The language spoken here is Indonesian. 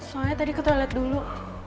soalnya tadi ke toilet dulu